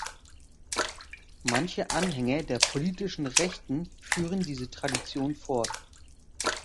Manche Anhänger der politischen Rechten führen diese Tradition fort.